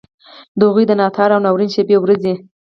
د هغوی د ناتار او ناورین شپې ورځي.